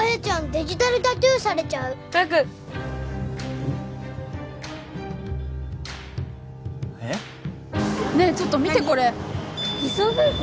デジタルタトゥーされちゃう早くえっ？ねえちょっと見てこれ・偽装夫婦？